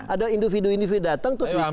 ada individu individu datang terus di claim